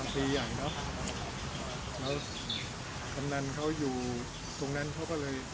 แล้วจำนันเค้าอยู่ตรงนั้นเค้าก็เลย